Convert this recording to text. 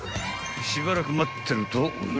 ［しばらく待ってるとおや？］